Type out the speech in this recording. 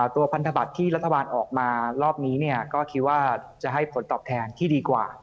พันธบัตรที่รัฐบาลออกมารอบนี้ก็คิดว่าจะให้ผลตอบแทนที่ดีกว่า